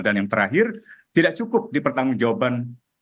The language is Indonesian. dan yang terakhir tidak cukup dipertanggung jawaban